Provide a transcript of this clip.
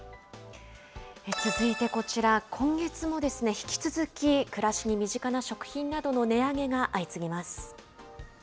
続いてこちら、今月も引き続き、暮らしに身近な食品などの値上げが相次ぎます。